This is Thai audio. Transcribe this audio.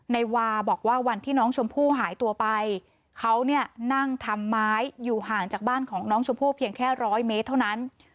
นายวาบอกว่าวันที่น้องชมพู่หายตัวไปเขาเนี่ยนั่งทำไมอยู่ห่างจากบ้านของน้องชมพู่เพียงแค่ร้อยเมตรเท่านั้น